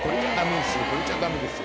「これじゃダメですよ」